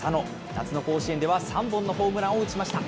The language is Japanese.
夏の甲子園では、３本のホームランを打ちました。